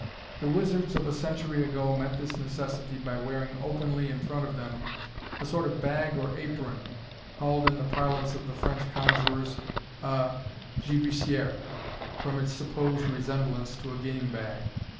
The wizards of a century ago met mis necessity by wearing openly in front of them a sort of bag or apron, called in the parlance of the French conjurors, agibeciere, from its sup posed resemblance to a game bag.